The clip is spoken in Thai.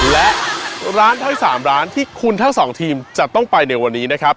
และร้านทั้ง๓ร้านที่คุณทั้งสองทีมจะต้องไปในวันนี้นะครับ